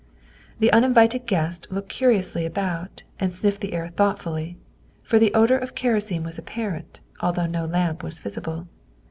The uninvited guest looked curiously about and sniffed the air thoughtfully, for the odor of kerosene was apparent, although no lamp was visible.